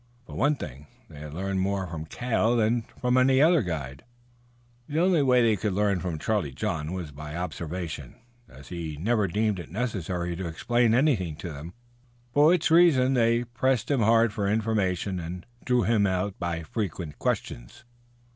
For one thing, they had learned more from Cale than from any other guide. The only way they could learn from Charlie John was by observation, as he never deemed it necessary to explain anything to them, for which reason they pressed him hard for information and drew him out by frequent questionings.